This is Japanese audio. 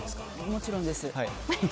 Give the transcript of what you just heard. もちろんです。